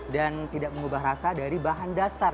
dan tidak mengubah rasa dari bahan dasar